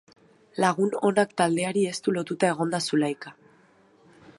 Lagun Onak taldeari estu lotuta egon da Zulaika.